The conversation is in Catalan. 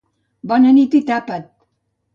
Bona nit i tapa't!